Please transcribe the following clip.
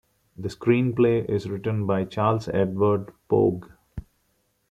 The screenplay is written by Charles Edward Pogue.